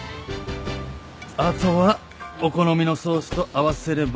あとはお好みのソースと合わせれば。